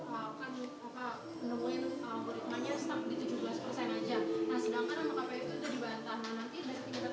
nah sedangkan kpu itu dibantah nanti